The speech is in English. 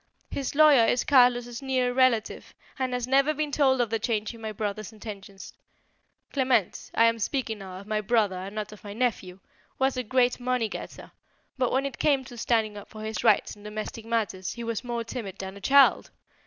"His lawyer is Carlos's near relative, and has never been told of the change in my brother's intentions. Clement (I am speaking now of my brother and not of my nephew) was a great money getter, but when it came to standing up for his rights in domestic matters, he was more timid than a child.